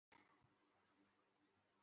应天府乡试第二名。